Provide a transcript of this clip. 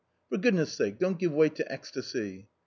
For goodness' sake, don't give way to ecstasy."